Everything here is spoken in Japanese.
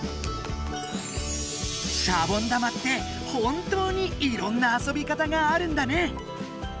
シャボン玉って本当にいろんなあそび方があるんだね！